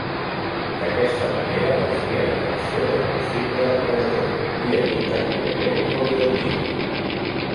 D'aquesta manera desvia l'atenció del possible depredador i evita que aquest trobi el niu.